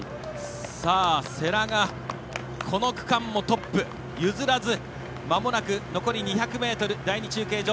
世羅がこの区間もトップ譲らずまもなく第２中継所。